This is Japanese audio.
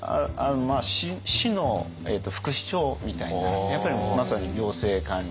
市の副市長みたいなやっぱりまさに行政官僚で。